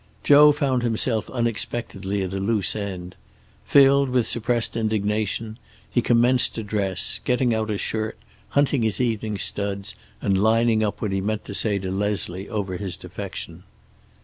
Joe found himself unexpectedly at a loose end. Filled with suppressed indignation he commenced to dress, getting out a shirt, hunting his evening studs, and lining up what he meant to say to Leslie over his defection.